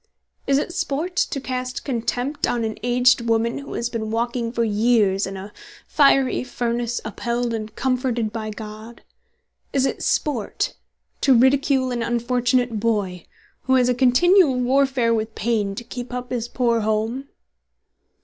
"Is it sport to cast contempt on an aged woman who has been walking for years in a fiery furnace upheld and comforted by God? Is it sport to ridicule an unfortunate boy who has a continual warfare with pain to keep up this poor home?"